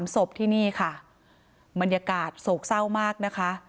ศพที่นี่ค่ะบรรยากาศโศกเศร้ามากนะคะ